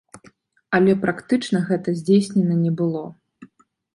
Але практычна гэта здзейснена не было.